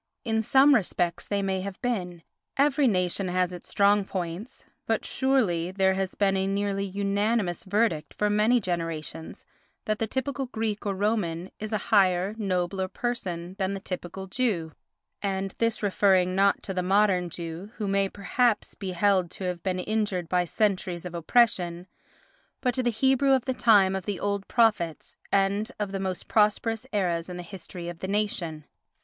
In some respects they may have been—every nation has its strong points—but surely there has been a nearly unanimous verdict for many generations that the typical Greek or Roman is a higher, nobler person than the typical Jew—and this referring not to the modern Jew, who may perhaps he held to have been injured by centuries of oppression, but to the Hebrew of the time of the old prophets and of the most prosperous eras in the history of the nation.